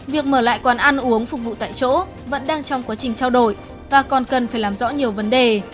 việc mở lại quán ăn uống phục vụ tại chỗ vẫn đang trong quá trình trao đổi và còn cần phải làm rõ nhiều vấn đề